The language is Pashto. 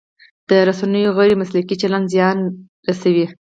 د رسنیو غیر مسلکي چلند زیان رسوي.